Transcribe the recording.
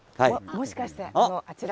もしかしてあのあちら。